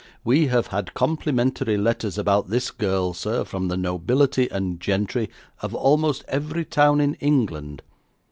We have had complimentary letters about this girl, sir, from the nobility and gentry of almost every town in England.